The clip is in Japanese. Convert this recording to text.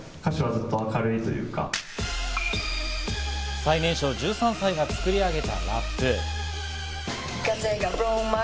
最年少１３歳が作り上げたラップ。